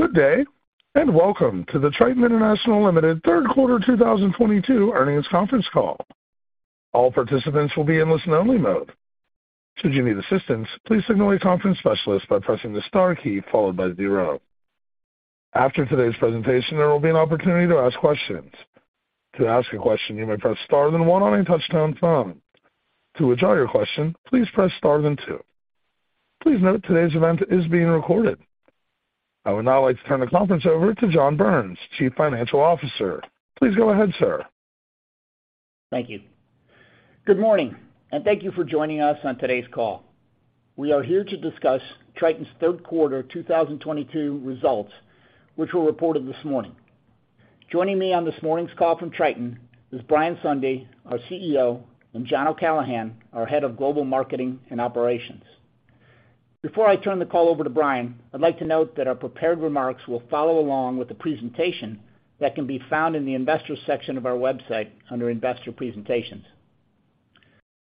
Good day, and welcome to the Triton International Limited third quarter 2022 earnings conference call. All participants will be in listen only mode. Should you need assistance, please signal a conference specialist by pressing the star key followed by zero. After today's presentation, there will be an opportunity to ask questions. To ask a question, you may press star then one on a touch-tone phone. To withdraw your question, please press star then two. Please note today's event is being recorded. I would now like to turn the conference over to John Burns, CFO. Please go ahead, sir. Thank you. Good morning, and thank you for joining us on today's call. We are here to discuss Triton's third quarter 2022 results, which were reported this morning. Joining me on this morning's call from Triton is Brian Sondey, our CEO, and John O'Callaghan, our Head of Global Marketing and Operations. Before I turn the call over to Brian, I'd like to note that our prepared remarks will follow along with the presentation that can be found in the investors section of our website under Investor Presentations.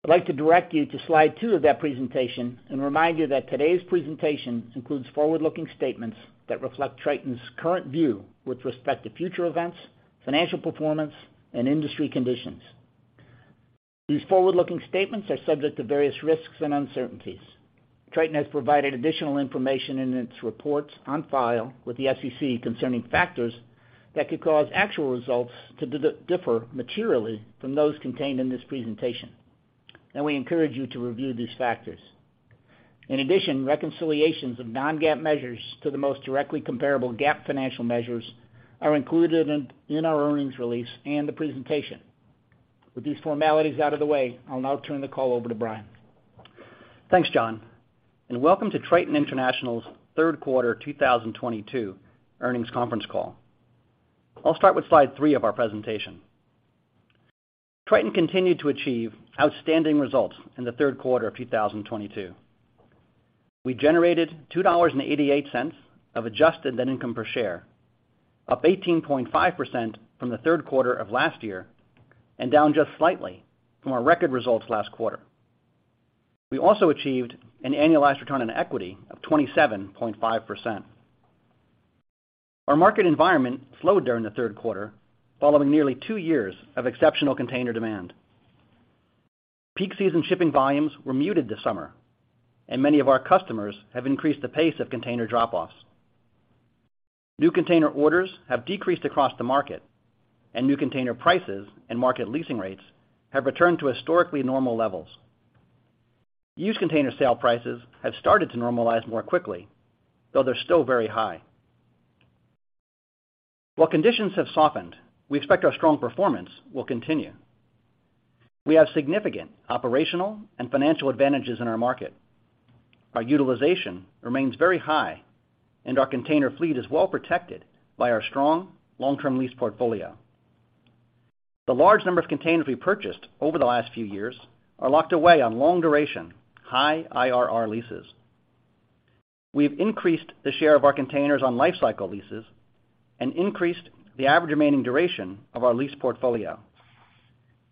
I'd like to direct you to slide two of that presentation and remind you that today's presentation includes forward-looking statements that reflect Triton's current view with respect to future events, financial performance, and industry conditions. These forward-looking statements are subject to various risks and uncertainties. Triton has provided additional information in its reports on file with the SEC concerning factors that could cause actual results to differ materially from those contained in this presentation, and we encourage you to review these factors. In addition, reconciliations of non-GAAP measures to the most directly comparable GAAP financial measures are included in our earnings release and the presentation. With these formalities out of the way, I'll now turn the call over to Brian. Thanks, John, and welcome to Triton International's third quarter of 2022 earnings conference call. I'll start with slide three of our presentation. Triton continued to achieve outstanding results in the Q3 of 2022. We generated $2.88 of adjusted net income per share, up 18.5% from the third quarter of last year and down just slightly from our record results last quarter. We also achieved an annualized return on equity of 27.5%. Our market environment slowed during the Q3, following nearly two years of exceptional container demand. Peak season shipping volumes were muted this summer, and many of our customers have increased the pace of container drop-offs. New container orders have decreased across the market, and new container prices and market leasing rates have returned to historically normal levels. Used container sale prices have started to normalize more quickly, though they're still very high. While conditions have softened, we expect our strong performance will continue. We have significant operational and financial advantages in our market. Our utilization remains very high, and our container fleet is well protected by our strong long-term lease portfolio. The large number of containers we purchased over the last few years are locked away on long duration, high IRR leases. We've increased the share of our containers on lifecycle leases and increased the average remaining duration of our lease portfolio,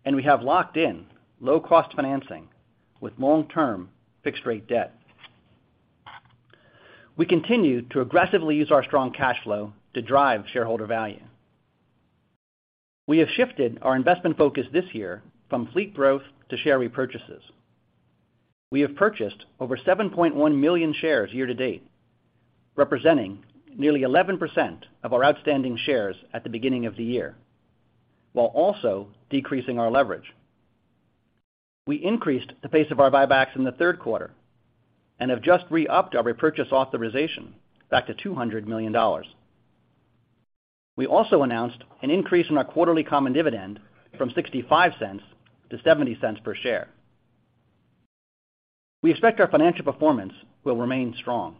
and we have locked in low-cost financing with long-term fixed rate debt. We continue to aggressively use our strong cash flow to drive shareholder value. We have shifted our investment focus this year from fleet growth to share repurchases. We have purchased over 7.1 million shares year to date, representing nearly 11% of our outstanding shares at the beginning of the year, while also decreasing our leverage. We increased the pace of our buybacks in the third quarter and have just re-upped our repurchase authorization back to $200 million. We also announced an increase in our quarterly common dividend from $0.65 to $0.70 per share. We expect our financial performance will remain strong.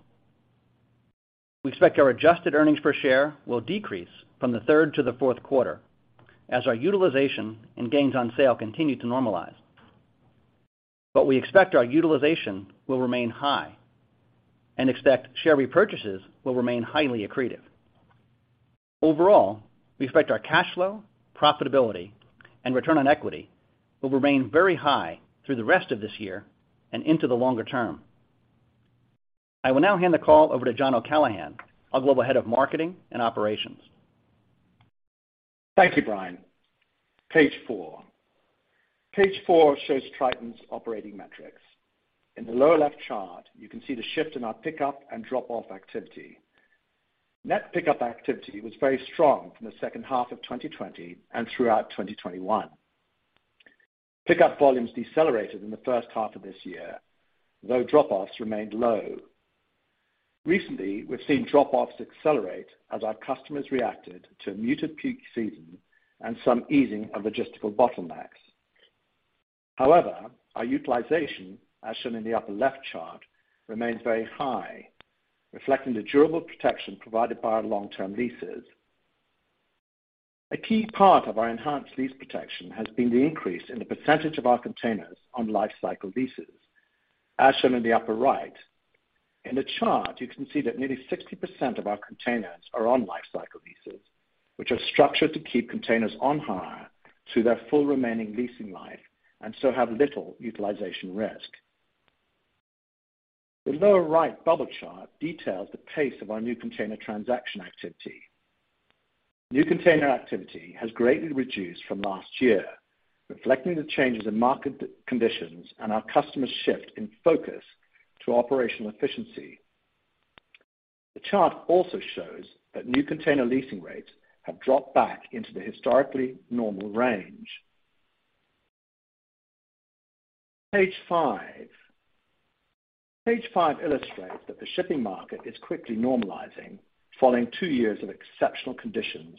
We expect our adjusted earnings per share will decrease from Q3-Q4 as our utilization and gains on sale continue to normalize. We expect our utilization will remain high and expect share repurchases will remain highly accretive. Overall, we expect our cash flow, profitability, and return on equity will remain very high through the rest of this year and into the longer term. I will now hand the call over to John O'Callaghan, our Global Head of Marketing and Operations. Thank you, Brian. Page four. Page four shows Triton's operating metrics. In the lower left chart, you can see the shift in our pickup and drop-off activity. Net pickup activity was very strong from the second half of 2020 and throughout 2021. Pickup volumes decelerated in the first half of this year, though drop-offs remained low. Recently, we've seen drop-offs accelerate as our customers reacted to a muted peak season and some easing of logistical bottlenecks. However, our utilization, as shown in the upper left chart, remains very high, reflecting the durable protection provided by our long-term leases. A key part of our enhanced lease protection has been the increase in the percentage of our containers on Lifecycle leases, as shown in the upper right. In the chart, you can see that nearly 60% of our containers are on lifecycle leases, which are structured to keep containers on hire through their full remaining leasing life and so have little utilization risk. The lower right bubble chart details the pace of our new container transaction activity. New container activity has greatly reduced from last year, reflecting the changes in market conditions and our customers' shift in focus to operational efficiency. The chart also shows that new container leasing rates have dropped back into the historically normal range. Page five. Page five illustrates that the shipping market is quickly normalizing following two years of exceptional conditions,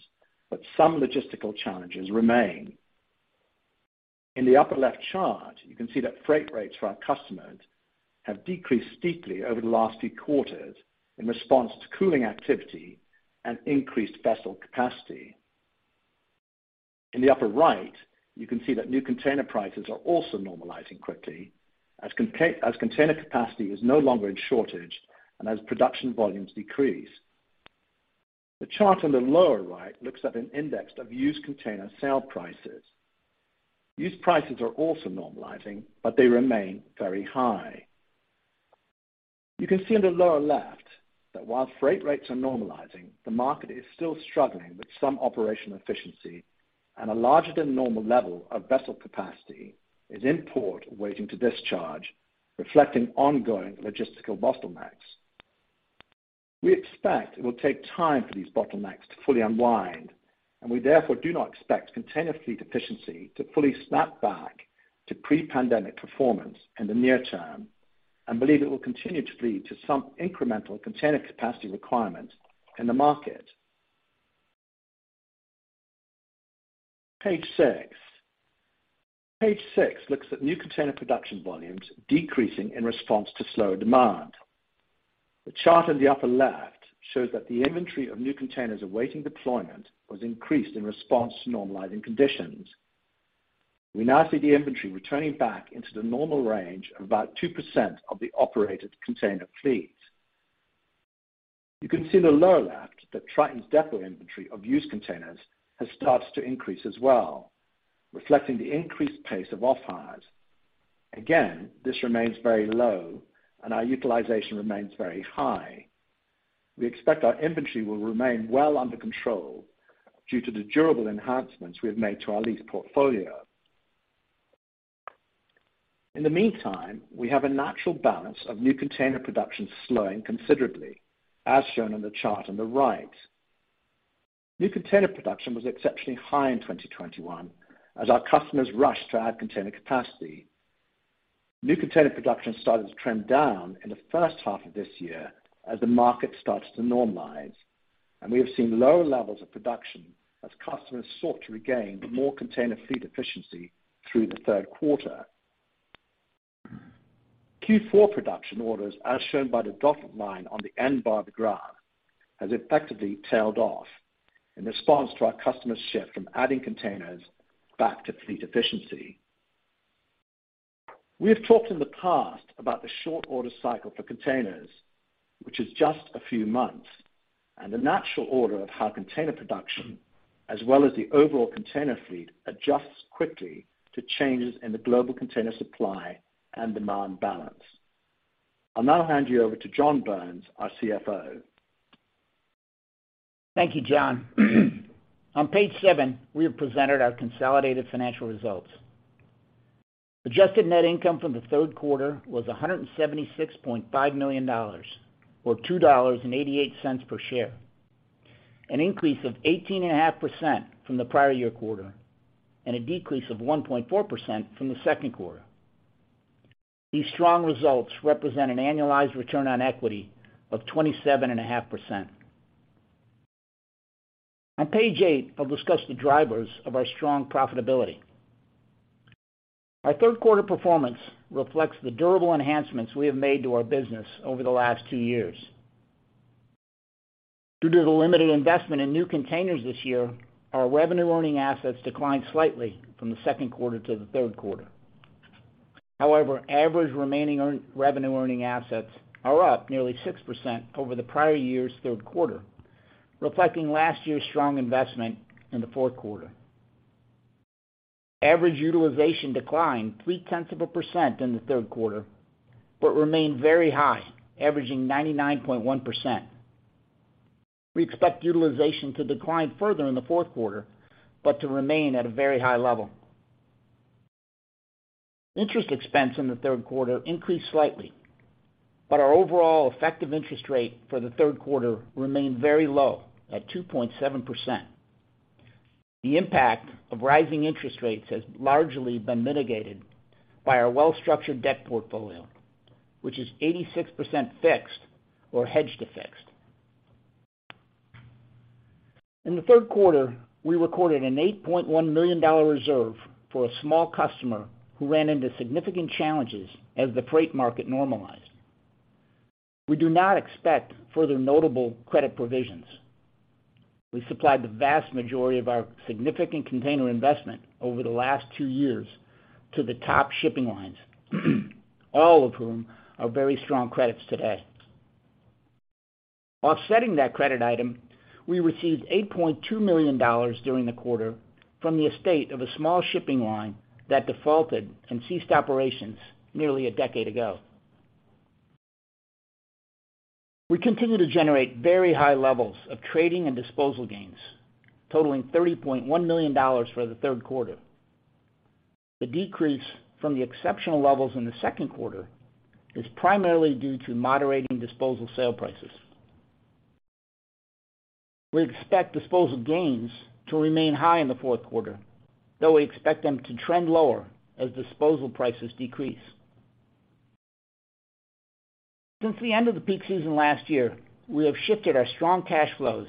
but some logistical challenges remain. In the upper left chart, you can see that freight rates for our customers have decreased steeply over the last few quarters in response to cooling activity and increased vessel capacity. In the upper right, you can see that new container prices are also normalizing quickly as container capacity is no longer in shortage and as production volumes decrease. The chart on the lower right looks at an index of used container sale prices. Used prices are also normalizing, but they remain very high. You can see on the lower left that while freight rates are normalizing, the market is still struggling with some operational inefficiency and a larger than normal level of vessel capacity is in port waiting to discharge, reflecting ongoing logistical bottlenecks. We expect it will take time for these bottlenecks to fully unwind, and we therefore do not expect container fleet efficiency to fully snap back to pre-pandemic performance in the near term and believe it will continue to lead to some incremental container capacity requirements in the market. Page six. Page six looks at new container production volumes decreasing in response to slower demand. The chart in the upper left shows that the inventory of new containers awaiting deployment was increased in response to normalizing conditions. We now see the inventory returning back into the normal range of about 2% of the operated container fleet. You can see in the lower left that Triton's depot inventory of used containers has started to increase as well, reflecting the increased pace of off-hires. Again, this remains very low and our utilization remains very high. We expect our inventory will remain well under control due to the durable enhancements we have made to our lease portfolio. In the meantime, we have a natural balance of new container production slowing considerably, as shown in the chart on the right. New container production was exceptionally high in 2021 as our customers rushed to add container capacity. New container production started to trend down in the first half of this year as the market started to normalize, and we have seen lower levels of production as customers sought to regain more container fleet efficiency through the third quarter. Q4 production orders, as shown by the dotted line on the end bar of the graph, has effectively tailed off in response to our customers' shift from adding containers back to fleet efficiency. We have talked in the past about the short order cycle for containers, which is just a few months, and the natural order of how container production, as well as the overall container fleet, adjusts quickly to changes in the global container supply and demand balance. I'll now hand you over to John Burns, our CFO. Thank you, John. On page seven, we have presented our consolidated financial results. Adjusted net income from the third quarter was $176.5 million or $2.88 per share, an increase of 18.5% from the prior year quarter and a decrease of 1.4% from the Q2. These strong results represent an annualized return on equity of 27.5%. On page eight, I'll discuss the drivers of our strong profitability. Our Q3 performance reflects the durable enhancements we have made to our business over the last two years. Due to the limited investment in new containers this year, our Revenue Earning Assets declined slightly from the Q2-Q3. However, average remaining revenue earning assets are up nearly 6% over the prior year's Q3, reflecting last year's strong investment in the Q4. Average utilization declined 0.3% in the Q3, but remained very high, averaging 99.1%. We expect utilization to decline further in the Q4, but to remain at a very high level. Interest expense in the Q3 increased slightly, but our overall effective interest rate for the Q3 remained very low at 2.7%. The impact of rising interest rates has largely been mitigated by our well-structured debt portfolio, which is 86% fixed or hedged to fixed. In theQ3, we recorded an $8.1 million reserve for a small customer who ran into significant challenges as the freight market normalized. We do not expect further notable credit provisions. We supplied the vast majority of our significant container investment over the last two years to the top shipping lines, all of whom are very strong credits today. Offsetting that credit item, we received $8.2 million during the quarter from the estate of a small shipping line that defaulted and ceased operations nearly a decade ago. We continue to generate very high levels of trading and disposal gains, totaling $30.1 million for the Q3. The decrease from the exceptional levels in the Q2 is primarily due to moderating disposal sale prices. We expect disposal gains to remain high in the Q4, though we expect them to trend lower as disposal prices decrease. Since the end of the peak season last year, we have shifted our strong cash flows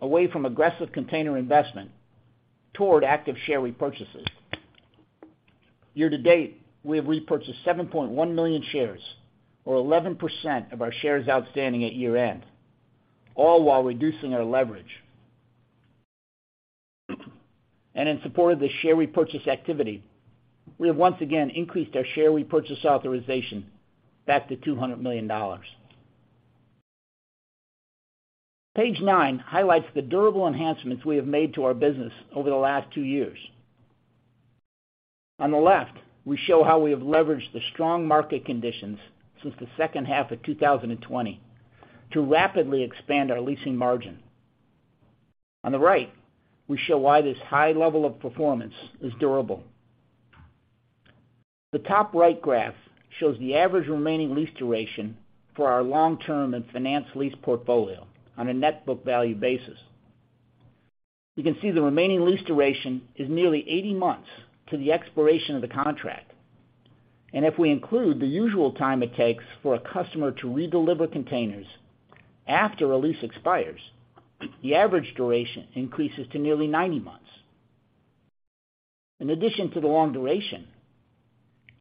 away from aggressive container investment toward active share repurchases. Year-to-date, we have repurchased 7.1 million shares, or 11% of our shares outstanding at year-end, all while reducing our leverage. In support of the share repurchase activity, we have once again increased our share repurchase authorization back to $200 million. Page nine highlights the durable enhancements we have made to our business over the last two years. On the left, we show how we have leveraged the strong market conditions since the second half of 2020 to rapidly expand our leasing margin. On the right, we show why this high level of performance is durable. The top right graph shows the average remaining lease duration for our long-term and finance lease portfolio on a net book value basis. You can see the remaining lease duration is nearly 80 months to the expiration of the contract. If we include the usual time it takes for a customer to redeliver containers after a lease expires, the average duration increases to nearly 90 months. In addition to the long duration,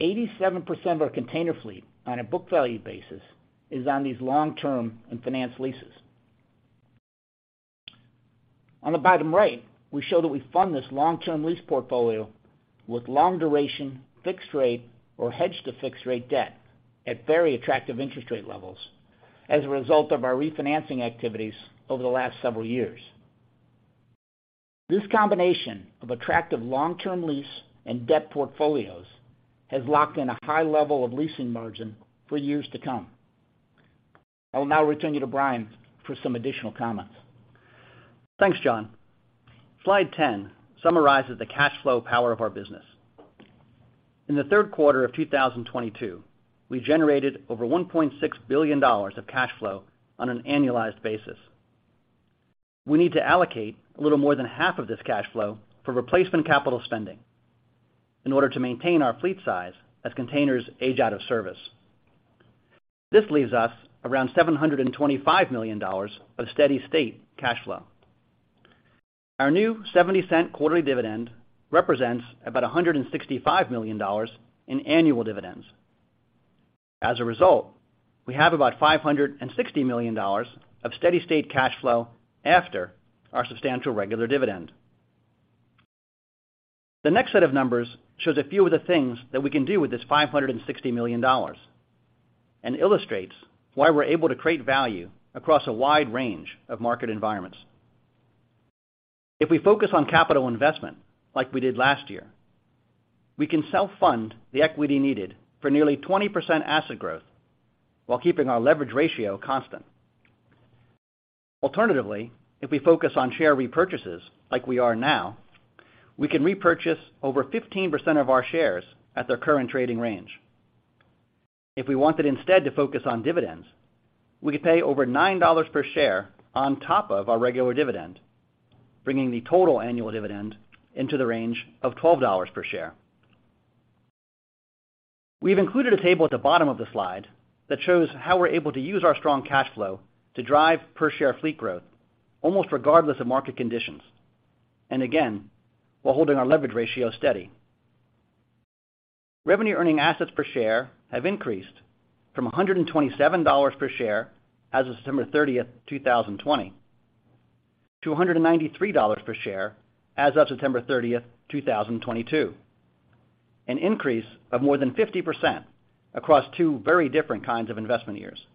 87% of our container fleet on a book value basis is on these long-term and finance leases. On the bottom right, we show that we fund this long-term lease portfolio with long duration, fixed rate, or hedge-to-fixed rate debt at very attractive interest rate levels as a result of our refinancing activities over the last several years. This combination of attractive long-term lease and debt portfolios has locked in a high level of leasing margin for years to come. I will now return you to Brian for some additional comments. Thanks, John. Slide 10 summarizes the cash flow power of our business. In the third quarter of 2022, we generated over $1.6 billion of cash flow on an annualized basis. We need to allocate a little more than half of this cash flow for replacement capital spending in order to maintain our fleet size as containers age out of service. This leaves us around $725 million of steady state cash flow. Our new 70-cent quarterly dividend represents about $165 million in annual dividends. As a result, we have about $560 million of steady-state cash flow after our substantial regular dividend. The next set of numbers shows a few of the things that we can do with this $560 million, and illustrates why we're able to create value across a wide range of market environments. If we focus on capital investment, like we did last year, we can self-fund the equity needed for nearly 20% asset growth while keeping our leverage ratio constant. Alternatively, if we focus on share repurchases, like we are now, we can repurchase over 15% of our shares at their current trading range. If we wanted instead to focus on dividends, we could pay over $9 per share on top of our regular dividend, bringing the total annual dividend into the range of $12 per share. We've included a table at the bottom of the slide that shows how we're able to use our strong cash flow to drive per share fleet growth almost regardless of market conditions, and again, while holding our leverage ratio steady. Revenue-earning assets per share have increased from $127 per share as of September 30th, 2020 to $193 per share as of September 30th, 2022, an increase of more than 50% across two very different kinds of investment years.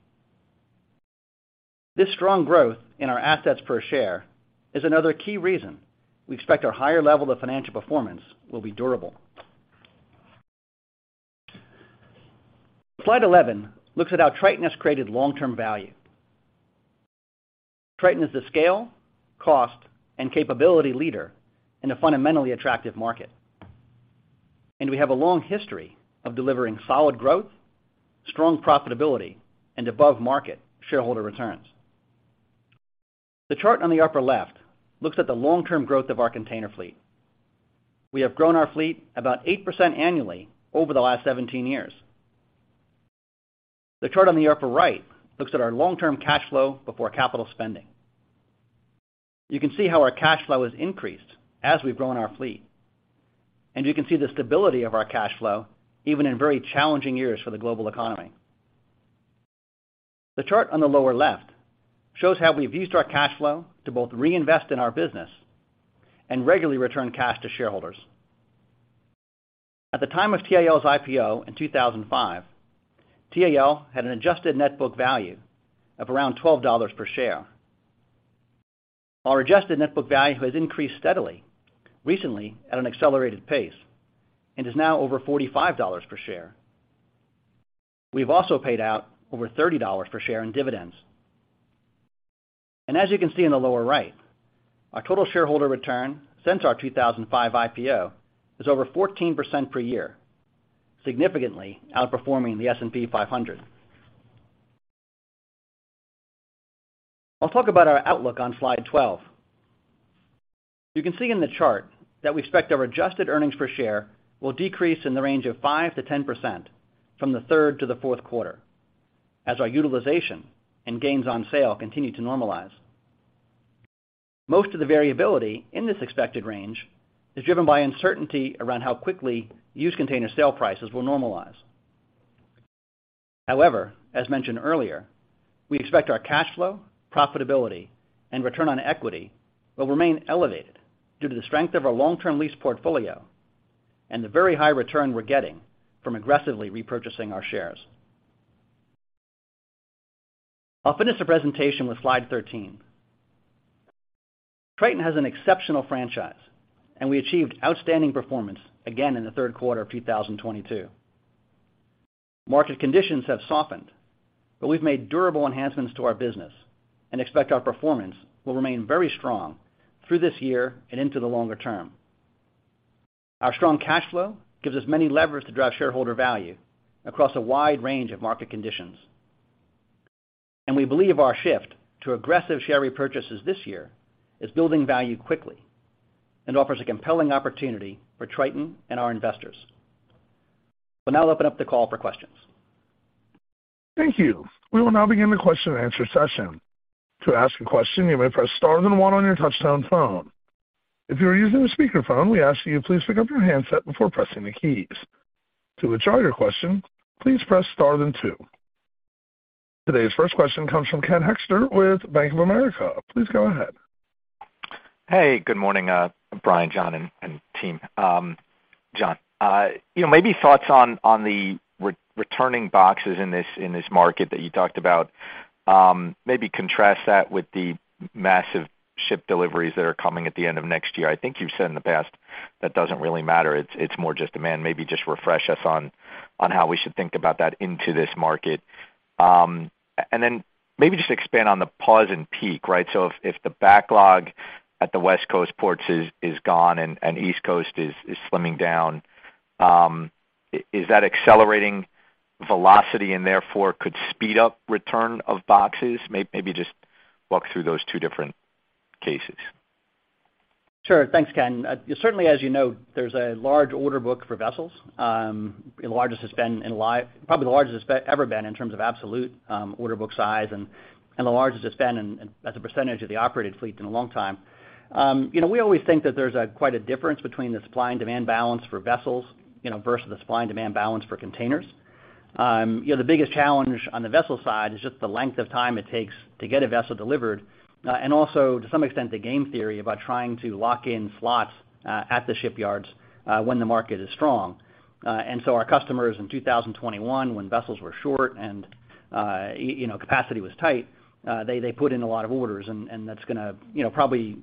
This strong growth in our assets per share is another key reason we expect our higher level of financial performance will be durable. Slide 11 looks at how Triton has created long-term value. Triton is the scale, cost, and capability leader in a fundamentally attractive market, and we have a long history of delivering solid growth, strong profitability, and above-market shareholder returns. The chart on the upper left looks at the long-term growth of our container fleet. We have grown our fleet about 8% annually over the last 17 years. The chart on the upper right looks at our long-term cash flow before capital spending. You can see how our cash flow has increased as we've grown our fleet, and you can see the stability of our cash flow even in very challenging years for the global economy. The chart on the lower left shows how we've used our cash flow to both reinvest in our business and regularly return cash to shareholders. At the time of TAL's IPO in 2005, TAL had an adjusted net book value of around $12 per share. Our adjusted net book value has increased steadily, recently at an accelerated pace, and is now over $45 per share. We've also paid out over $30 per share in dividends. As you can see in the lower right, our total shareholder return since our 2005 IPO is over 14% per year, significantly outperforming the S&P 500. I'll talk about our outlook on slide 12. You can see in the chart that we expect our adjusted earnings per share will decrease in the range of 5%-10% from the third to the fourth quarter as our utilization and gains on sale continue to normalize. Most of the variability in this expected range is driven by uncertainty around how quickly used container sale prices will normalize. However, as mentioned earlier, we expect our cash flow, profitability, and return on equity will remain elevated due to the strength of our long-term lease portfolio and the very high return we're getting from aggressively repurchasing our shares. I'll finish the presentation with slide 13. Triton has an exceptional franchise, and we achieved outstanding performance again in the third quarter of 2022. Market conditions have softened, but we've made durable enhancements to our business and expect our performance will remain very strong through this year and into the longer term. Our strong cash flow gives us many levers to drive shareholder value across a wide range of market conditions. We believe our shift to aggressive share repurchases this year is building value quickly and offers a compelling opportunity for Triton and our investors. We'll now open up the call for questions. Thank you. We will now begin the question-and-answer session. To ask a question, you may press star then one on your touchtone phone. If you are using a speakerphone, we ask that you please pick up your handset before pressing the keys. To withdraw your question, please press star then two. Today's first question comes from Ken Hoexter with Bank of America. Please go ahead. Hey, good morning, Brian, John, and team. John, you know, maybe thoughts on the returning boxes in this market that you talked about. Maybe contrast that with the massive ship deliveries that are coming at the end of next year. I think you've said in the past that doesn't really matter. It's more just demand. Maybe just refresh us on how we should think about that into this market. Maybe just expand on the pause and peak, right? If the backlog at the West Coast ports is gone and East Coast is slimming down, is that accelerating velocity and therefore could speed up return of boxes? Maybe just walk through those two different cases. Sure. Thanks, Ken. Certainly, as you know, there's a large order book for vessels, the largest it's been, probably the largest it's ever been in terms of absolute order book size and the largest it's been in as a percentage of the operated fleet in a long time. You know, we always think that there's quite a difference between the supply and demand balance for vessels, you know, versus the supply and demand balance for containers. You know, the biggest challenge on the vessel side is just the length of time it takes to get a vessel delivered and also to some extent, the game theory about trying to lock in slots at the shipyards when the market is strong. Our customers in 2021, when vessels were short and, you know, capacity was tight, they put in a lot of orders, and that's gonna, you know, probably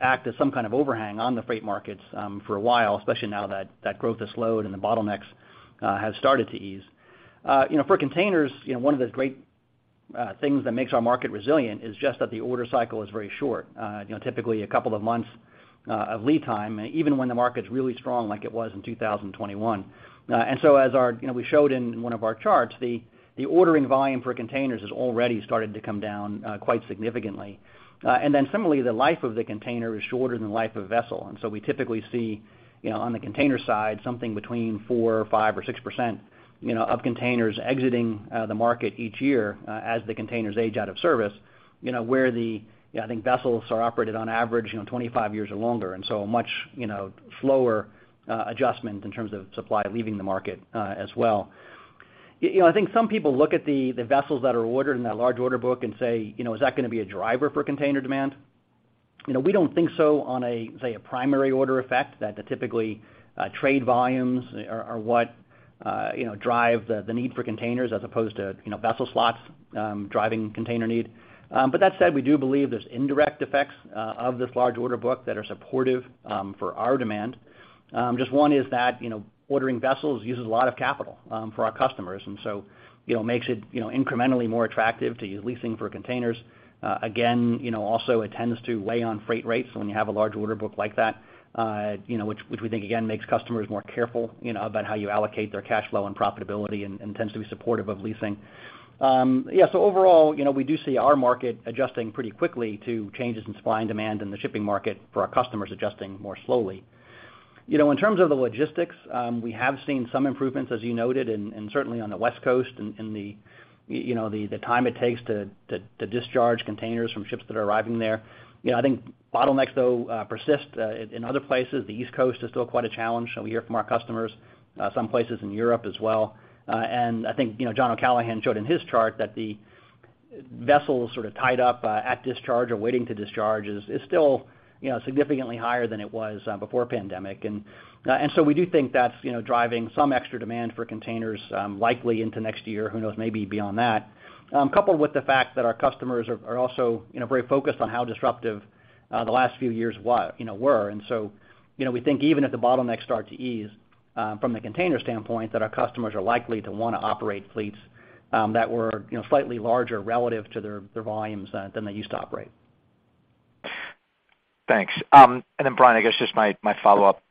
act as some kind of overhang on the freight markets, for a while, especially now that that growth has slowed and the bottlenecks have started to ease. You know, for containers, you know, one of the great things that makes our market resilient is just that the order cycle is very short, you know, typically a couple of months of lead time, even when the market's really strong like it was in 2021. As our, you know, we showed in one of our charts, the ordering volume for containers has already started to come down, quite significantly. Similarly, the life of the container is shorter than the life of a vessel. We typically see, you know, on the container side, something between 4 or 5 or 6%, you know, of containers exiting the market each year as the containers age out of service, you know, where the, you know, I think vessels are operated on average, you know, 25 years or longer, and so a much, you know, slower adjustment in terms of supply leaving the market as well. You know, I think some people look at the vessels that are ordered in that large order book and say, you know, "Is that gonna be a driver for container demand?" You know, we don't think so on a say primary order effect that typically trade volumes are what you know drive the need for containers as opposed to, you know, vessel slots driving container need. That said, we do believe there's indirect effects of this large order book that are supportive for our demand. Just one is that, you know, ordering vessels uses a lot of capital for our customers, and so, you know, makes it, you know, incrementally more attractive to use leasing for containers. Again, you know, also it tends to weigh on freight rates when you have a large order book like that, you know, which we think again makes customers more careful, you know, about how you allocate their cash flow and profitability and tends to be supportive of leasing. Yeah, overall, you know, we do see our market adjusting pretty quickly to changes in supply and demand in the shipping market for our customers adjusting more slowly. You know, in terms of the logistics, we have seen some improvements as you noted and certainly on the West Coast and the, you know, the time it takes to discharge containers from ships that are arriving there. You know, I think bottlenecks though persist in other places. The East Coast is still quite a challenge that we hear from our customers, some places in Europe as well. I think, you know, John O'Callaghan showed in his chart that the vessels sort of tied up at discharge or waiting to discharge is still significantly higher than it was before pandemic. We do think that's driving some extra demand for containers likely into next year, who knows, maybe beyond that. Coupled with the fact that our customers are also very focused on how disruptive the last few years were. You know, we think even if the bottlenecks start to ease from the container standpoint, that our customers are likely to wanna operate fleets that were, you know, slightly larger relative to their volumes than they used to operate. Thanks. Brian, I guess just my follow-up.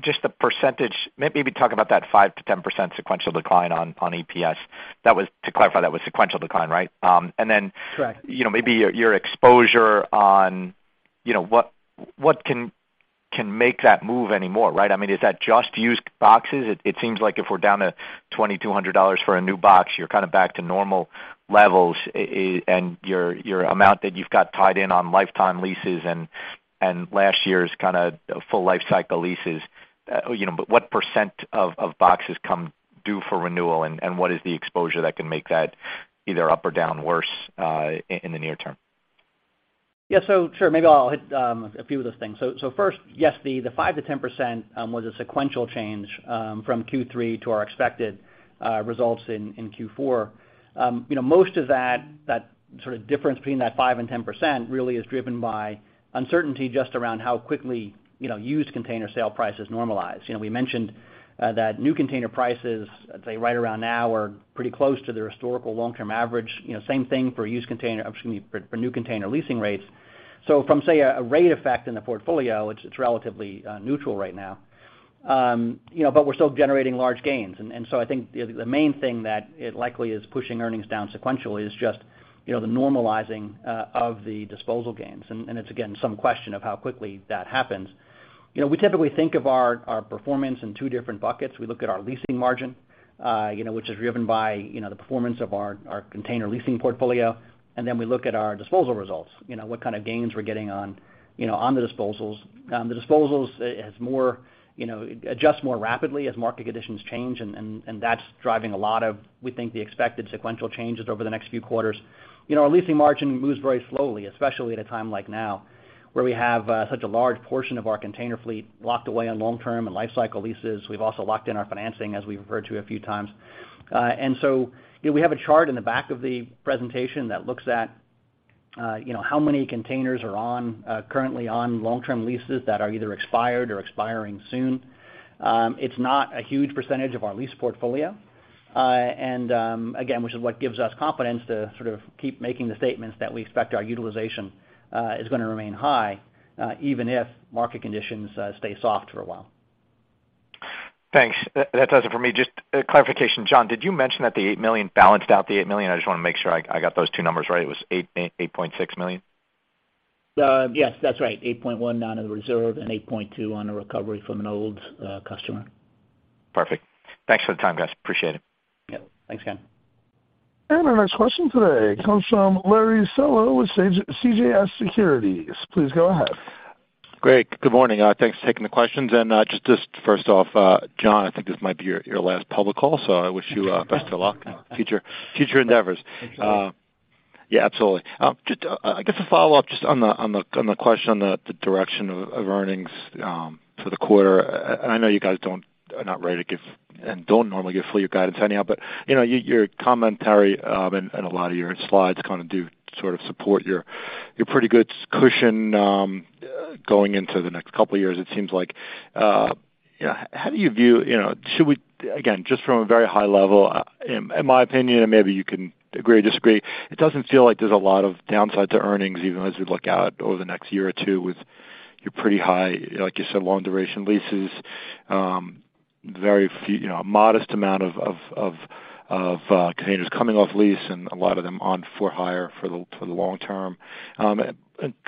Just the percentage, maybe talk about that 5%-10% sequential decline on EPS. That was, to clarify, that was sequential decline, right? Correct. You know, maybe your exposure on, you know, what can make that move anymore, right? I mean, is that just used boxes? It seems like if we're down to $2,200 for a new box, you're kind of back to normal levels. Your amount that you've got tied in on lifetime leases and last year's kind of full life cycle leases, you know, but what percent of boxes come due for renewal, and what is the exposure that can make that either up or down worse, in the near term? Yeah. Sure. Maybe I'll hit a few of those things. First, yes, the 5%-10% was a sequential change from Q3 to our expected results in Q4. You know, most of that sort of difference between that 5% and 10% really is driven by uncertainty just around how quickly, you know, used container sale prices normalize. You know, we mentioned that new container prices, I'd say right around now, are pretty close to the historical long-term average. You know, same thing for used container, excuse me, for new container leasing rates. From, say, a rate effect in the portfolio, it's relatively neutral right now. You know, but we're still generating large gains. I think the main thing that it likely is pushing earnings down sequentially is just, you know, the normalizing of the disposal gains. There's again some question of how quickly that happens. You know, we typically think of our performance in two different buckets. We look at our leasing margin, you know, which is driven by, you know, the performance of our container leasing portfolio, and then we look at our disposal results. You know, what kind of gains we're getting on the disposals. The disposals is more, you know, adjusts more rapidly as market conditions change, and that's driving a lot of, we think, the expected sequential changes over the next few quarters. You know, our leasing margin moves very slowly, especially at a time like now, where we have such a large portion of our container fleet locked away on long-term and lifecycle leases. We've also locked in our financing, as we've referred to a few times. You know, we have a chart in the back of the presentation that looks at you know, how many containers are currently on long-term leases that are either expired or expiring soon. It's not a huge percentage of our lease portfolio. Again, which is what gives us confidence to sort of keep making the statements that we expect our utilization is gonna remain high, even if market conditions stay soft for a while. Thanks. That does it for me. Just a clarification, John, did you mention that the $8 million balanced out the $8 million? I just wanna make sure I got those two numbers right. It was $8.6 million. Yes, that's right. 8.1 on the reserve and 8.2 on the recovery from an old customer. Perfect. Thanks for the time, guys. Appreciate it. Yeah. Thanks, Ken. Our next question today comes from Larry Solow with CJS Securities. Please go ahead. Great. Good morning. Thanks for taking the questions. Just first off, John, I think this might be your last public call, so I wish you best of luck in future endeavors. Thanks, Larry. Yeah, absolutely. Just, I guess a follow-up just on the question on the direction of earnings for the quarter. I know you guys are not ready to give and don't normally give full year guidance anyhow, but you know, your commentary and a lot of your slides kind of do sort of support your pretty good cushion going into the next couple of years, it seems like. How do you view, you know. Again, just from a very high level, in my opinion, and maybe you can agree or disagree, it doesn't feel like there's a lot of downside to earnings, even as we look out over the next year or two with your pretty high, like you said, long duration leases. Very few, you know, a modest amount of containers coming off lease and a lot of them on for hire for the long term.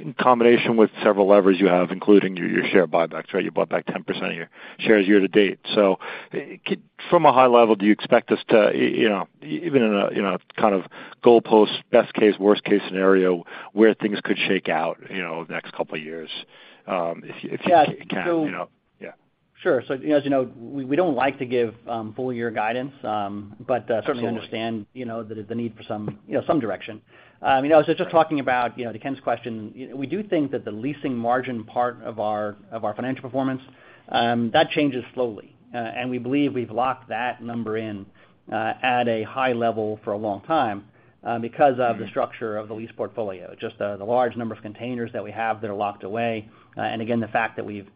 In combination with several levers you have, including your share buybacks, right? You bought back 10% of your shares year to date. From a high level, do you expect us to, you know, even in a kind of go for the best case, worst case scenario, where things could shake out, you know, over the next couple of years, if you can, you know? Yeah. Sure. As you know, we don't like to give full year guidance, but Sure. Certainly understand, you know, that there's a need for some, you know, some direction. You know, just talking about, you know, to Ken's question, we do think that the leasing margin part of our financial performance that changes slowly. We believe we've locked that number in at a high level for a long time because of the structure of the lease portfolio, just the large number of containers that we have that are locked away. Again, the fact that we've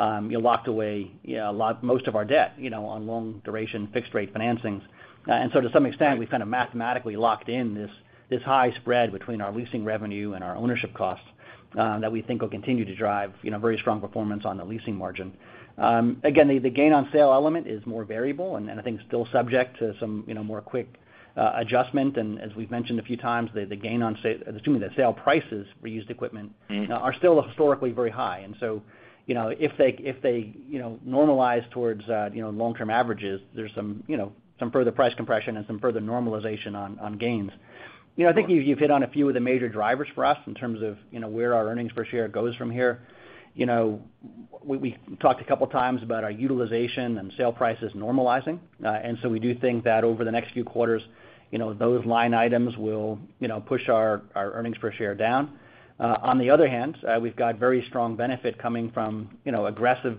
you know locked away, you know, a lot, most of our debt, you know, on long duration fixed rate financings. To some extent, we've kind of mathematically locked in this high spread between our leasing revenue and our ownership costs, that we think will continue to drive, you know, very strong performance on the leasing margin. Again, the gain on sale element is more variable and I think still subject to some, you know, quicker adjustment. As we've mentioned a few times, the sale prices for used equipment. Mm-hmm. are still historically very high. You know, if they normalize towards, you know, long-term averages, there's some, you know, some further price compression and some further normalization on gains. You know, I think you've hit on a few of the major drivers for us in terms of, you know, where our earnings per share goes from here. You know. We talked a couple times about our utilization and sale prices normalizing. We do think that over the next few quarters, you know, those line items will, you know, push our earnings per share down. On the other hand, we've got very strong benefit coming from, you know, aggressive,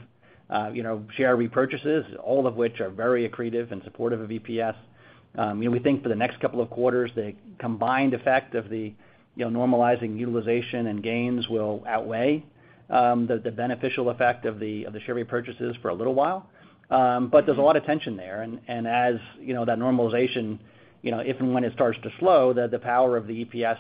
you know, share repurchases, all of which are very accretive and supportive of EPS. You know, we think for the next couple of quarters, the combined effect of the normalizing utilization and gains will outweigh the beneficial effect of the share repurchases for a little while. There's a lot of tension there. As you know, that normalization, you know, if and when it starts to slow, the power of the EPS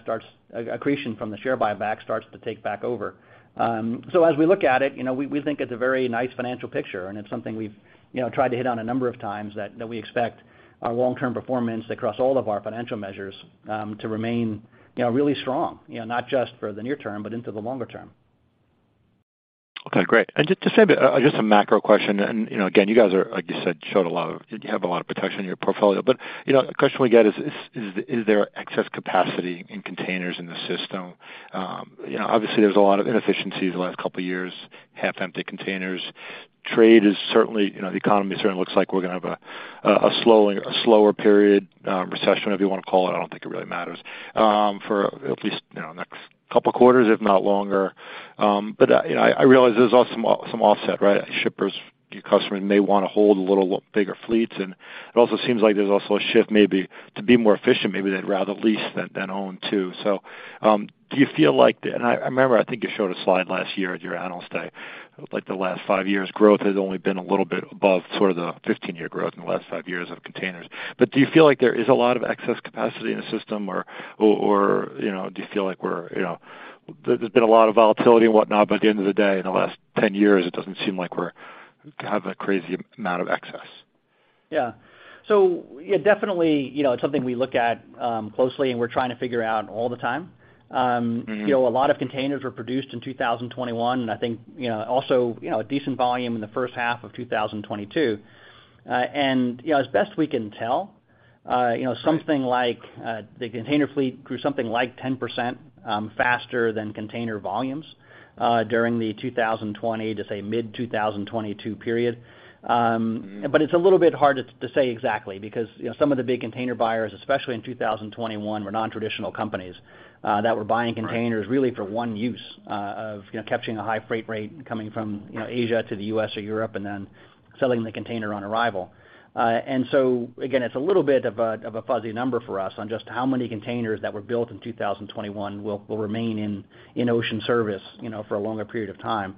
accretion from the share buyback starts to take back over. As we look at it, you know, we think it's a very nice financial picture, and it's something we've, you know, tried to hit on a number of times that we expect our long-term performance across all of our financial measures to remain, you know, really strong. You know, not just for the near term, but into the longer term. Okay. Great. Just to say, just a macro question, and, you know, again, you guys are, like you said, you have a lot of protection in your portfolio. You know, a question we get is there excess capacity in containers in the system? You know, obviously, there's a lot of inefficiencies the last couple years, half empty containers. Trade is certainly, you know, the economy certainly looks like we're gonna have a slowing, a slower period, recession, if you wanna call it. I don't think it really matters for at least, you know, next couple quarters, if not longer. You know, I realize there's also some offset, right? Shippers, your customers may wanna hold a little bigger fleets, and it also seems like there's also a shift maybe to be more efficient. Maybe they'd rather lease than own too. Do you feel like I remember, I think you showed a slide last year at your analyst day, like the last five years growth has only been a little bit above sort of the 15-year growth in the last five years of containers. Do you feel like there is a lot of excess capacity in the system or, you know, do you feel like we're, you know, there's been a lot of volatility and whatnot, but at the end of the day, in the last 10 years, it doesn't seem like we have a crazy amount of excess. Yeah. Yeah, definitely, you know, it's something we look at closely, and we're trying to figure out all the time. You know, a lot of containers were produced in 2021, and I think, you know, also a decent volume in the first half of 2022. You know, as best we can tell, you know, something like the container fleet grew something like 10% faster than container volumes during the 2020 to, say, mid-2022 period. It's a little bit hard to say exactly because you know, some of the big container buyers, especially in 2021, were non-traditional companies that were buying containers really for one use of you know, capturing a high freight rate coming from you know, Asia to the U.S. or Europe and then selling the container on arrival. Again, it's a little bit of a fuzzy number for us on just how many containers that were built in 2021 will remain in ocean service you know, for a longer period of time.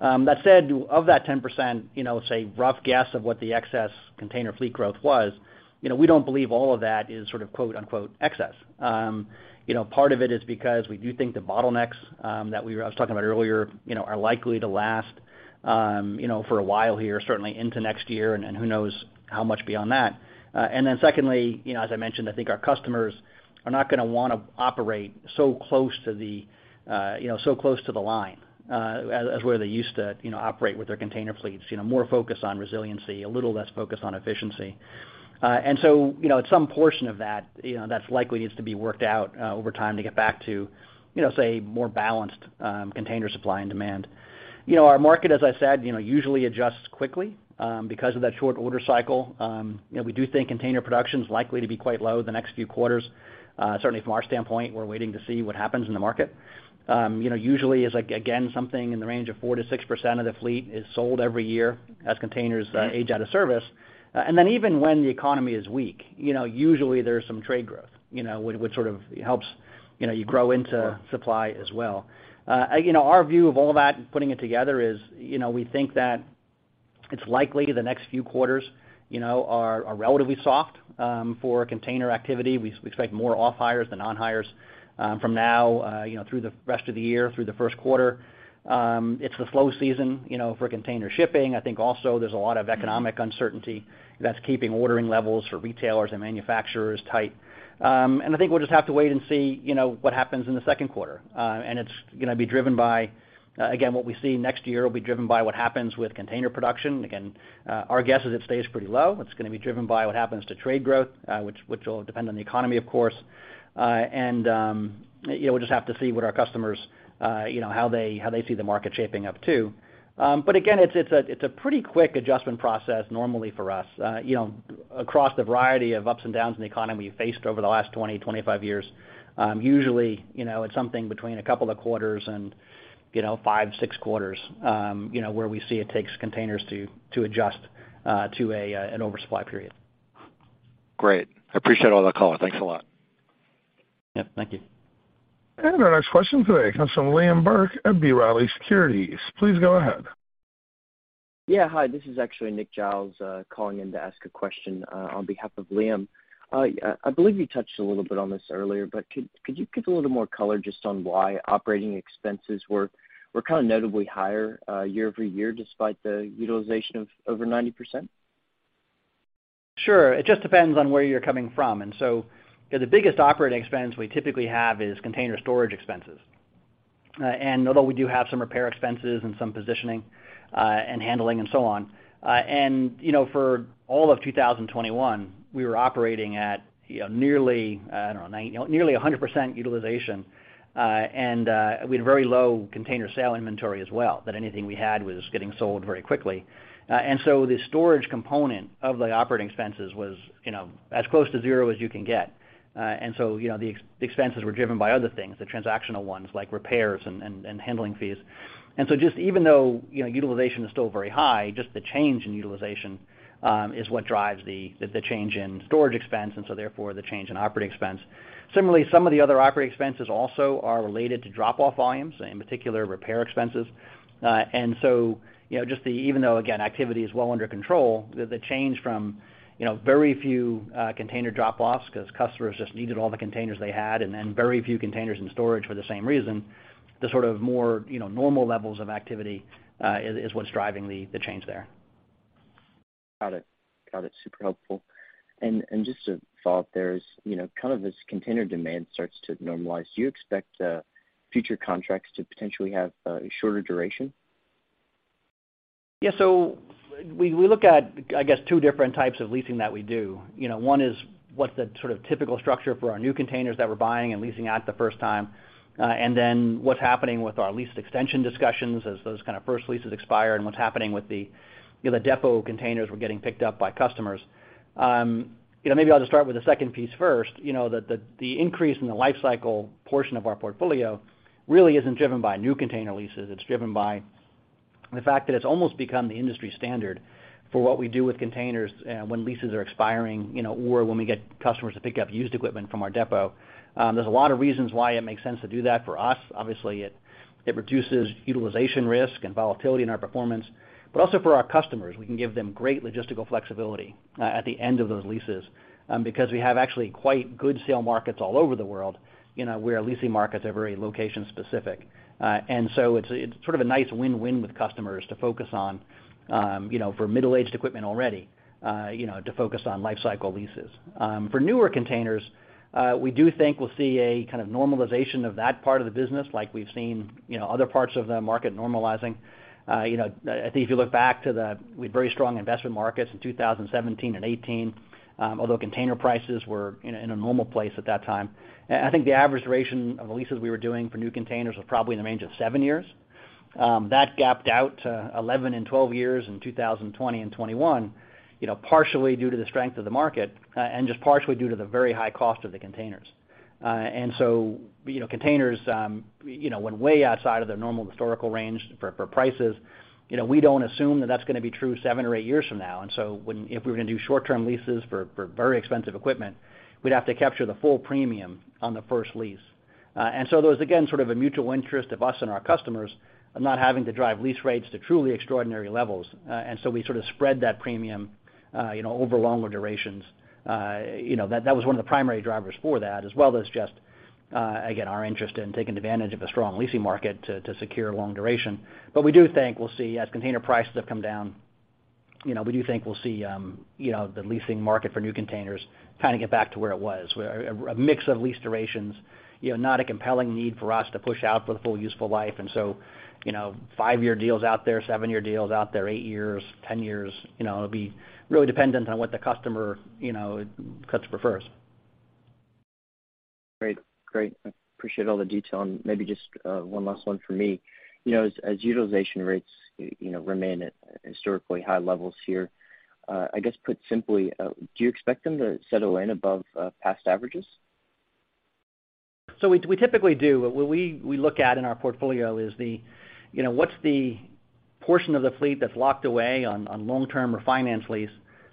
That said, of that 10%, you know, say, rough guess of what the excess container fleet growth was, you know, we don't believe all of that is sort of, quote-unquote, "excess." You know, part of it is because we do think the bottlenecks that I was talking about earlier, you know, are likely to last, you know, for a while here, certainly into next year, and who knows how much beyond that. And then secondly, you know, as I mentioned, I think our customers are not gonna wanna operate so close to the, you know, so close to the line, as they used to, you know, operate with their container fleets. You know, more focused on resiliency, a little less focused on efficiency. You know, at some portion of that, you know, that's likely needs to be worked out over time to get back to, you know, say more balanced container supply and demand. You know, our market, as I said, you know, usually adjusts quickly because of that short order cycle. You know, we do think container production is likely to be quite low the next few quarters. Certainly from our standpoint, we're waiting to see what happens in the market. You know, usually is like, again, something in the range of 4%-6% of the fleet is sold every year as containers age out of service. Even when the economy is weak, you know, usually there's some trade growth, you know, which sort of helps, you know, you grow into supply as well. You know, our view of all that and putting it together is, you know, we think that it's likely the next few quarters, you know, are relatively soft for container activity. We expect more off-hires than on-hires from now, you know, through the rest of the year, through the Q1. It's the slow season, you know, for container shipping. I think also there's a lot of economic uncertainty that's keeping ordering levels for retailers and manufacturers tight. I think we'll just have to wait and see, you know, what happens in the Q2. It's gonna be driven by, again, what we see next year will be driven by what happens with container production. Again, our guess is it stays pretty low. It's gonna be driven by what happens to trade growth, which will depend on the economy, of course. you know, we'll just have to see what our customers, you know, how they see the market shaping up too. again, it's a pretty quick adjustment process normally for us. you know, across the variety of ups and downs in the economy we faced over the last 20-25 years, usually, you know, it's something between a couple of quarters and, you know, 5-6 quarters, you know, where we see it takes containers to adjust to an oversupply period. Great. I appreciate all the color. Thanks a lot. Yeah. Thank you. Our next question today comes from Liam Burke at B. Riley Securities. Please go ahead. Yeah. Hi, this is actually Nick Giles calling in to ask a question on behalf of Liam. I believe you touched a little bit on this earlier, but could you give a little more color just on why operating expenses were kind of notably higher year-over-year, despite the utilization of over 90%? Sure. It just depends on where you're coming from. The biggest operating expense we typically have is container storage expenses. Although we do have some repair expenses and some positioning, and handling, and so on. You know, for all of 2021, we were operating at, you know, nearly, I don't know, nearly 100% utilization, and we had very low container sale inventory as well, that anything we had was getting sold very quickly. The storage component of the operating expenses was, you know, as close to zero as you can get. You know, the expenses were driven by other things, the transactional ones like repairs and handling fees. Even though, you know, utilization is still very high, just the change in utilization is what drives the change in storage expense, and so therefore the change in operating expense. Similarly, some of the other operating expenses also are related to drop-off volumes, in particular repair expenses. You know, just, even though, again, activity is well under control, the change from, you know, very few container drop-offs because customers just needed all the containers they had, and then very few containers in storage for the same reason, the sort of more, you know, normal levels of activity is what's driving the change there. Got it. Super helpful. Just a thought there, as you know, kind of as container demand starts to normalize, do you expect future contracts to potentially have a shorter duration? Yeah. We look at, I guess, two different types of leasing that we do. You know, one is what's the sort of typical structure for our new containers that we're buying and leasing out the first time, and then what's happening with our lease extension discussions as those kind of first leases expire and what's happening with the, you know, the depot containers we're getting picked up by customers. You know, maybe I'll just start with the second piece first. You know, the increase in the life cycle portion of our portfolio really isn't driven by new container leases. It's driven by the fact that it's almost become the industry standard for what we do with containers, when leases are expiring, you know, or when we get customers to pick up used equipment from our depot. There's a lot of reasons why it makes sense to do that for us. Obviously, it reduces utilization risk and volatility in our performance. Also for our customers, we can give them great logistical flexibility at the end of those leases because we have actually quite good sale markets all over the world, you know, where leasing markets are very location specific. It's sort of a nice win-win with customers to focus on, you know, for middle-aged equipment already, you know, to focus on life cycle leases. For newer containers, we do think we'll see a kind of normalization of that part of the business like we've seen, you know, other parts of the market normalizing. You know, I think if you look back, we had very strong investment markets in 2017 and 2018, although container prices were, you know, in a normal place at that time. I think the average duration of leases we were doing for new containers was probably in the range of 7 years. That gapped out to 11 and 12 years in 2020 and 2021, you know, partially due to the strength of the market, and just partially due to the very high cost of the containers. You know, containers, you know, went way outside of their normal historical range for prices. You know, we don't assume that that's going to be true 7 or 8 years from now. If we were going to do short-term leases for very expensive equipment, we'd have to capture the full premium on the first lease. There was, again, sort of a mutual interest of us and our customers of not having to drive lease rates to truly extraordinary levels. We sort of spread that premium, you know, over longer durations. You know, that was one of the primary drivers for that, as well as just, again, our interest in taking advantage of a strong leasing market to secure long duration. We do think we'll see, as container prices have come down, you know, the leasing market for new containers kind of get back to where it was, where a mix of lease durations, you know, not a compelling need for us to push out for the full useful life. You know, five-year deals out there, seven-year deals out there, eight years, ten years, you know, it'll be really dependent on what the customer, you know, customer prefers. Great. I appreciate all the detail. Maybe just one last one from me. You know, as utilization rates, you know, remain at historically high levels here, I guess put simply, do you expect them to settle in above past averages? We typically do. What we look at in our portfolio is the, you know, what's the portion of the fleet that's locked away on long-term or finance lease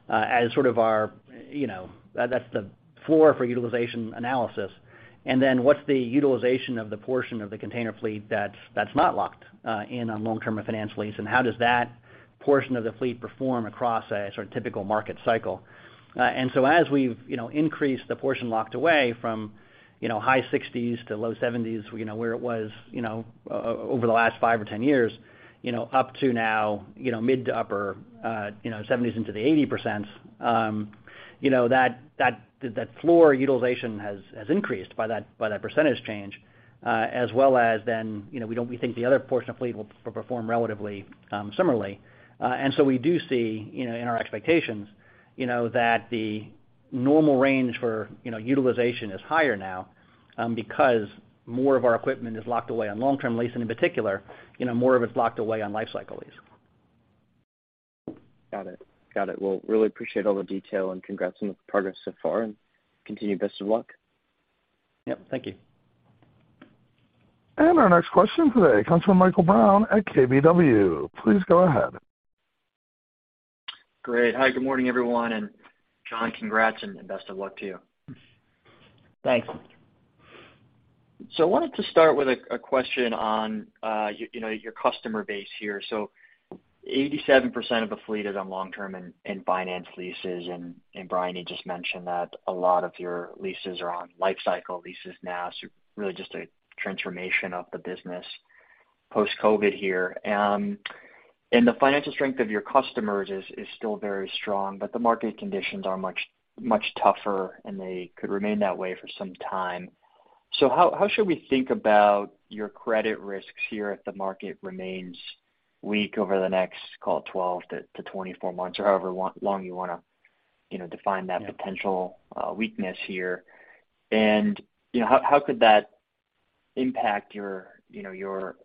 as sort of our, you know, that's the floor for utilization analysis. Then what's the utilization of the portion of the container fleet that's not locked in on long-term or finance lease, and how does that portion of the fleet perform across a sort of typical market cycle? As we've, you know, increased the portion locked away from, you know, high 60s to low 70s, you know, where it was, you know, over the last 5 or 10 years, you know, up to now, you know, mid- to upper, you know, 70s into the 80%, you know, that floor utilization has increased by that percentage change. As well as then, you know, we think the other portion of fleet will perform relatively similarly. We do see, you know, in our expectations, you know, that the normal range for, you know, utilization is higher now, because more of our equipment is locked away on long-term lease, and in particular, you know, more of it's locked away on lifecycle lease. Got it. Well, really appreciate all the detail, and congrats on the progress so far, and continued best of luck. Yep. Thank you. Our next question today comes from Michael Brown at KBW. Please go ahead. Great. Hi, good morning, everyone. John, congrats and best of luck to you. Thanks. I wanted to start with a question on, you know, your customer base here. 87% of the fleet is on long-term and finance leases. Brian, you just mentioned that a lot of your leases are on lifecycle leases now, so really just a transformation of the business. Post-COVID here. The financial strength of your customers is still very strong, but the market conditions are much, much tougher, and they could remain that way for some time. How should we think about your credit risks here if the market remains weak over the next, call it, 12-24 months or however long you wanna, you know, define that potential weakness here? You know, how could that impact your, you know, your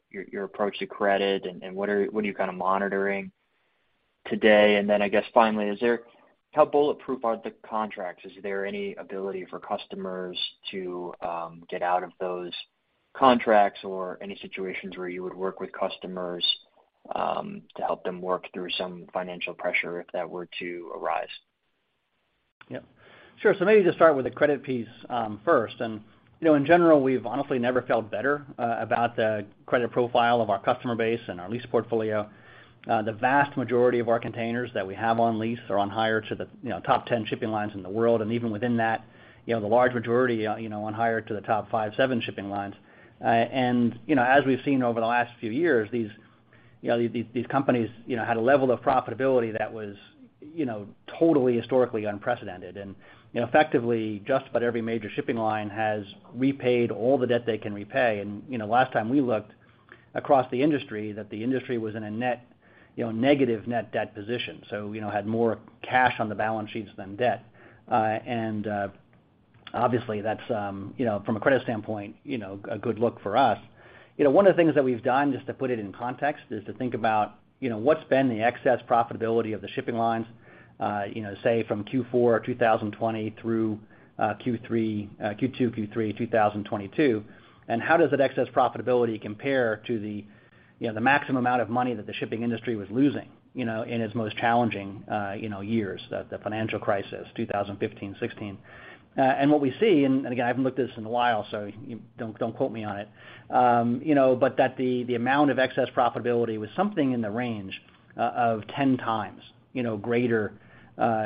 approach to credit and what are you kind of monitoring today? Then I guess, finally, how bulletproof are the contracts? Is there any ability for customers to get out of those contracts or any situations where you would work with customers to help them work through some financial pressure if that were to arise? Yeah. Sure. Maybe just start with the credit piece, first. You know, in general, we've honestly never felt better about the credit profile of our customer base and our lease portfolio. The vast majority of our containers that we have on lease are on hire to the you know top ten shipping lines in the world, and even within that, you know, the large majority you know on hire to the top five, seven shipping lines. You know, as we've seen over the last few years, these companies you know had a level of profitability that was you know totally historically unprecedented. You know, effectively, just about every major shipping line has repaid all the debt they can repay. You know, last time we looked across the industry that the industry was in a net, you know, negative net debt position, so, you know, had more cash on the balance sheets than debt. Obviously, that's, you know, from a credit standpoint, you know, a good look for us. You know, one of the things that we've done, just to put it in context, is to think about, you know, what's been the excess profitability of the shipping lines, you know, say from Q4 2020 through Q2, Q3 2022, and how does that excess profitability compare to the, you know, the maximum amount of money that the shipping industry was losing, you know, in its most challenging, you know, years, the financial crisis, 2015, 2016. What we see, again, I haven't looked at this in a while, so don't quote me on it, you know, but the amount of excess profitability was something in the range of 10 times greater,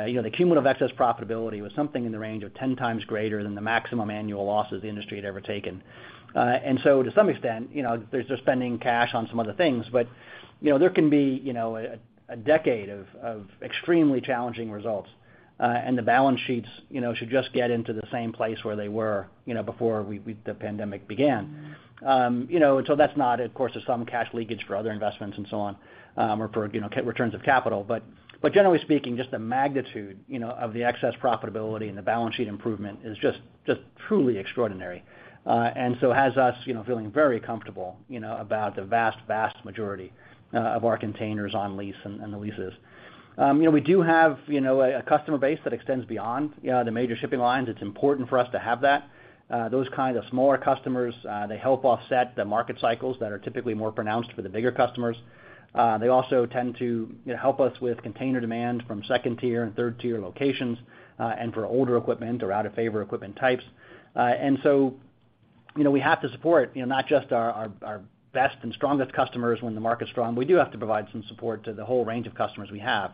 you know, the cumulative excess profitability was something in the range of 10 times greater than the maximum annual losses the industry had ever taken. To some extent, you know, they're spending cash on some other things. You know, there can be a decade of extremely challenging results, and the balance sheets should just get into the same place where they were before the pandemic began. You know, that's not, of course, there's some cash leakage for other investments and so on, or for, you know, returns of capital. But generally speaking, just the magnitude, you know, of the excess profitability and the balance sheet improvement is just truly extraordinary. Has us, you know, feeling very comfortable, you know, about the vast majority of our containers on lease and the leases. You know, we do have, you know, a customer base that extends beyond, you know, the major shipping lines. It's important for us to have that. Those kind of smaller customers, they help offset the market cycles that are typically more pronounced for the bigger customers. They also tend to, you know, help us with container demand from second-tier and third-tier locations, and for older equipment or out-of-favor equipment types. You know, we have to support, you know, not just our best and strongest customers when the market's strong. We do have to provide some support to the whole range of customers we have.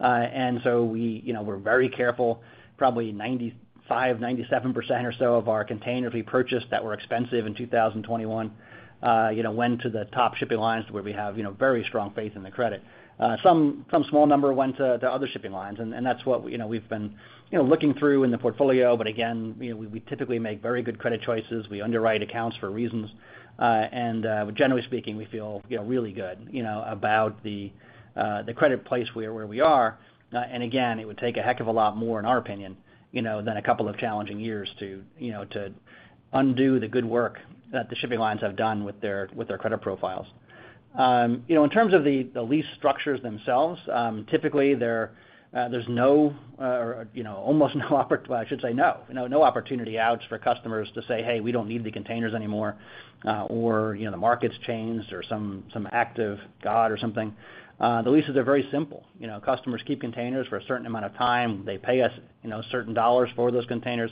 You know, we're very careful. Probably 95%-97% or so of our containers we purchased that were expensive in 2021, you know, went to the top shipping lines where we have, you know, very strong faith in the credit. Some small number went to other shipping lines, and that's what, you know, we've been, you know, looking through in the portfolio. Again, you know, we typically make very good credit choices. We underwrite accounts for reasons. Generally speaking, we feel, you know, really good, you know, about the credit place where we are. Again, it would take a heck of a lot more, in our opinion, you know, than a couple of challenging years to, you know, to undo the good work that the shipping lines have done with their credit profiles. You know, in terms of the lease structures themselves, typically there's no, or, you know, no opportunity outs for customers to say, "Hey, we don't need the containers anymore," or, you know, the market's changed or some act of God or something. The leases are very simple. You know, customers keep containers for a certain amount of time. They pay us, you know, certain dollars for those containers,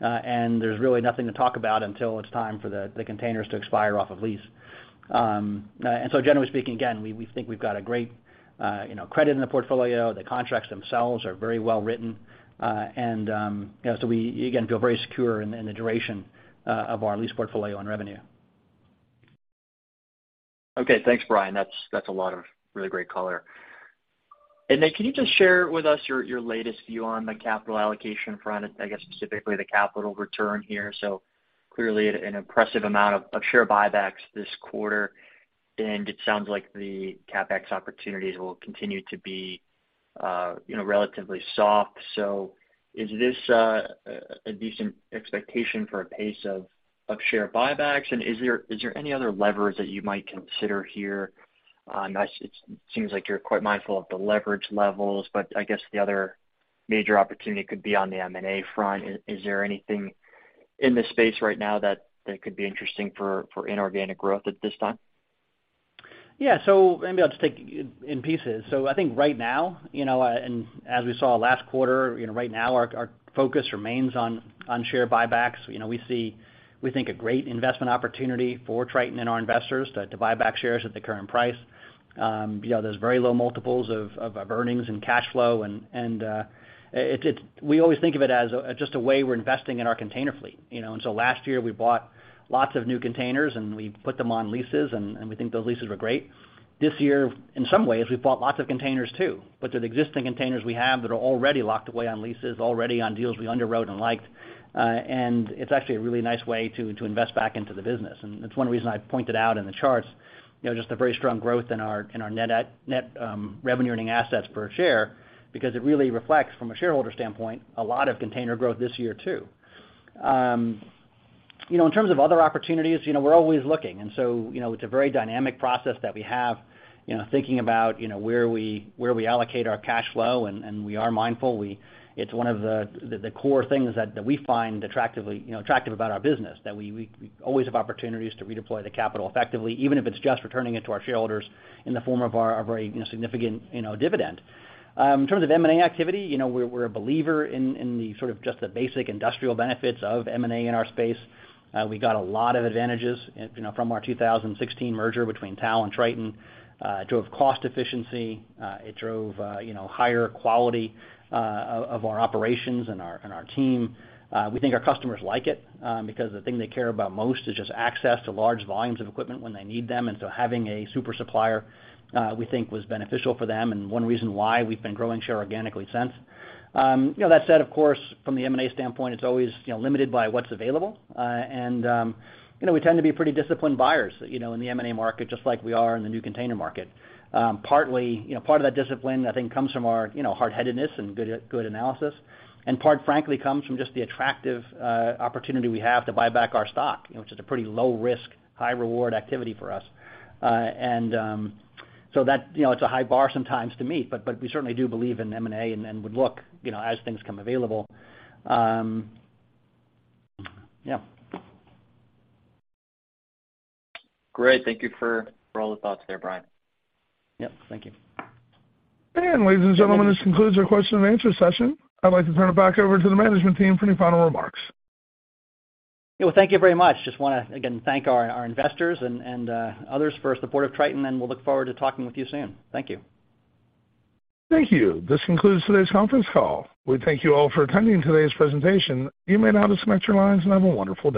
and there's really nothing to talk about until it's time for the containers to expire off of lease. Generally speaking, again, we think we've got a great, you know, credit in the portfolio. The contracts themselves are very well written. You know, so we, again, feel very secure in the duration of our lease portfolio and revenue. Okay. Thanks, Brian. That's a lot of really great color. Can you just share with us your latest view on the capital allocation front, I guess specifically the capital return here? Clearly an impressive amount of share buybacks this quarter, and it sounds like the CapEx opportunities will continue to be, you know, relatively soft. Is this a decent expectation for a pace of share buybacks, and is there any other levers that you might consider here? It seems like you're quite mindful of the leverage levels, but I guess the other major opportunity could be on the M&A front. Is there anything in this space right now that could be interesting for inorganic growth at this time? Yeah. Maybe I'll just take it in pieces. I think right now, you know, and as we saw last quarter, you know, right now our focus remains on share buybacks. You know, we think a great investment opportunity for Triton and our investors to buy back shares at the current price. You know, there's very low multiples of earnings and cash flow, and it's. We always think of it as just a way we're investing in our container fleet, you know. Last year we bought lots of new containers, and we put them on leases, and we think those leases were great. This year, in some ways, we've bought lots of containers too, but to the existing containers we have that are already locked away on leases, already on deals we underwrote and liked. It's actually a really nice way to invest back into the business. It's one reason I pointed out in the charts, you know, just the very strong growth in our net revenue earning assets per share, because it really reflects from a shareholder standpoint a lot of container growth this year too. You know, in terms of other opportunities, you know, we're always looking. You know, it's a very dynamic process that we have, you know, thinking about, you know, where we allocate our cash flow, and we are mindful. It's one of the core things that we find attractive about our business, that we always have opportunities to redeploy the capital effectively, even if it's just returning it to our shareholders in the form of our very, you know, significant, you know, dividend. In terms of M&A activity, you know, we're a believer in the sort of just the basic industrial benefits of M&A in our space. We got a lot of advantages, you know, from our 2016 merger between TAL and Triton. It drove cost efficiency. It drove higher quality of our operations and our team. We think our customers like it, because the thing they care about most is just access to large volumes of equipment when they need them. Having a super supplier, we think was beneficial for them and one reason why we've been growing share organically since. You know, that said, of course, from the M&A standpoint, it's always, you know, limited by what's available, and, you know, we tend to be pretty disciplined buyers, you know, in the M&A market, just like we are in the new container market. Partly, you know, part of that discipline I think comes from our, you know, hardheadedness and good analysis, and part frankly comes from just the attractive opportunity we have to buy back our stock, which is a pretty low risk, high reward activity for us. That, you know, it's a high bar sometimes to meet, but we certainly do believe in M&A and would look, you know, as things come available. Yeah. Great. Thank you for all the thoughts there, Brian. Yep, thank you. Ladies and gentlemen, this concludes our question and answer session. I'd like to turn it back over to the management team for any final remarks. Well, thank you very much. Just wanna, again, thank our investors and others for the support of Triton, and we'll look forward to talking with you soon. Thank you. Thank you. This concludes today's conference call. We thank you all for attending today's presentation. You may now disconnect your lines and have a wonderful day.